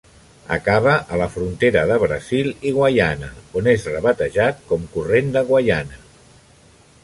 Acaba a la frontera de Brasil i Guaiana, on és rebatejat com Corrent de Guaiana.